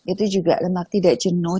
itu juga karena tidak jenuh